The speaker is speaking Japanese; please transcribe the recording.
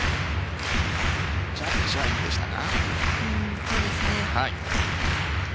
ジャッジはインでしたが。